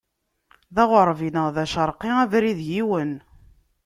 D aɣeṛbi neɣ d aceṛqi, abrid yiwen.